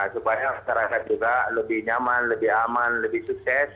supaya masyarakat juga lebih nyaman lebih aman lebih sukses